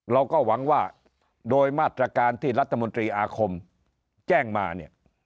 เราก็หวังว่าโดยมาตรการที่รัฐมนตรีอาคมแจ้งมาเนี่ย